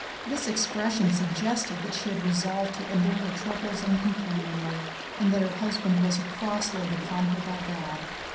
This expression suggested that she had resolved to endure her troubles uncomplainingly and that her husband was a cross laid upon her by God.